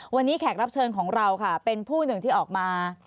วันนี้แขกรับเชิญของเราค่ะเป็นผู้หนึ่งที่ออกมา